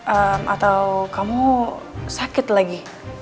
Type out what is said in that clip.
atau kamu sakit lagi